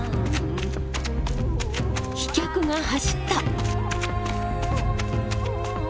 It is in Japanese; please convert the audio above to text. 飛脚が走った。